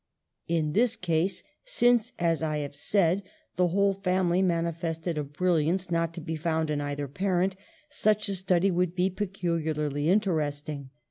In this case, since, as I have said, the whole family manifested a brilliance not to be found in either parent, such a study would be peculiarly interesting.